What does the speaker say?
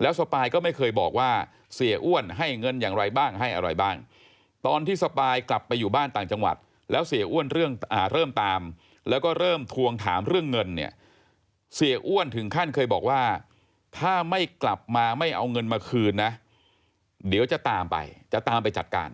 แล้วสปายก็ไม่เคยบอกว่าเสียอ้วนให้เงินอย่างไรบ้างให้อะไรบ้างตอนที่สปายกลับไปอยู่บ้านต่างจังหวัดแล้วเสียอ้วนเริ่มตามแล้วก็เริ่มทวงถามเรื่องเงินเนี่ยเสียอ้วนถึงขั้นเคยบอกว่าถ้าไม่กลับมาไม่เอาเงินมาคืนนะเดี๋ยวจะตามไปจะตามไปจัดการ